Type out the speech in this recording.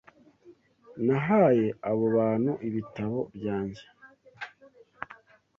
Nahaye abo bantu ibitabo byanjye.